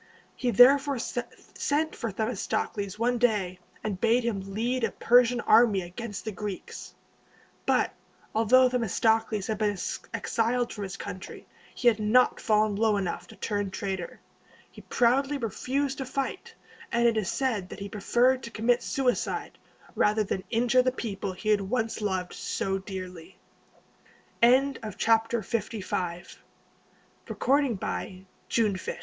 He therefore sent for Themistocles one day, and bade him lead a Persian army against the Greeks. But, although Themistocles had been exiled from his country, he had not fallen low enough to turn traitor. He proudly refused to fight; and it is said that he preferred to commit suicide, rather than injure the people he had once loved so dearly. LVI. CIMON IMPROVES ATHENS. As soon as Themistocles had been ban